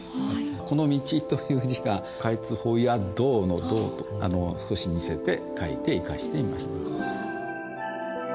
この「道」という字が「開通褒斜道」の「道」と少し似せて書いて生かしてみました。